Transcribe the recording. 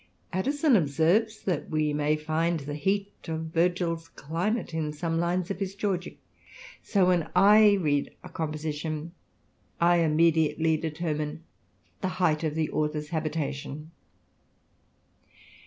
Addison observes, that we may find the heat of Virgil's climate in some lines of his Georgick : so, when I read a composition, I immediately determine the height of the author's habitation.